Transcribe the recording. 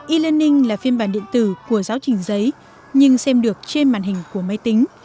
e learning là phiên bản điện tử của giáo trình giấy nhưng xem được trên màn hình của máy tính